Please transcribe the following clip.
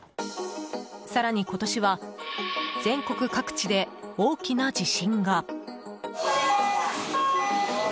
更に今年は全国各地で大きな地震が。